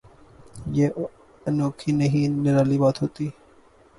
یہ انوکھی نہیں نرالی بات ہوتی۔